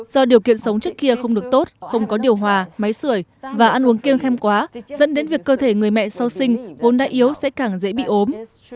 do điều kiện sống trước kia không được tốt không có điều hòa máy sửa và ăn uống kiêng quá dẫn đến việc cơ thể người mẹ sau sinh vốn đã yếu sẽ càng dễ bị ốm